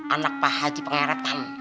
anak pak haji pengaretan